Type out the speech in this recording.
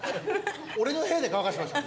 俺の部屋で乾かしました。